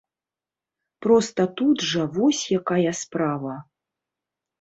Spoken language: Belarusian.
Проста тут жа вось якая справа.